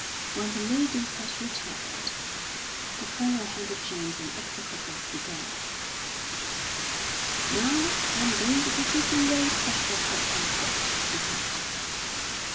When the ladies had retired, the Colonel handed James an execrable cigar. "Now, I'm going to give you some very special port I've got," he said.